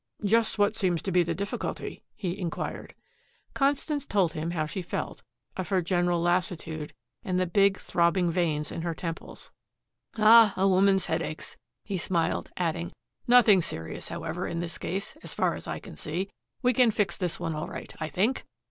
"Just what seems to be the difficulty?" he inquired. Constance told him how she felt, of her general lassitude and the big, throbbing veins in her temples. "Ah a woman's headaches!" he smiled, adding, "Nothing serious, however, in this case, as far as I can see. We can fix this one all right, I think."